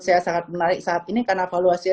saya sangat menarik saat ini karena valuasinya